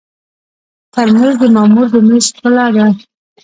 ترموز د مامور د مېز ښکلا ده.